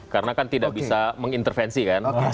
karena kan tidak bisa mengintervensi kan